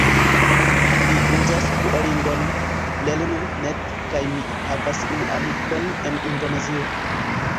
Mi uzas Duolingon, Lernu.net kaj mi havas unu amikon en Indonezio